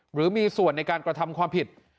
หรือมีส่วนในการกระทำความผิด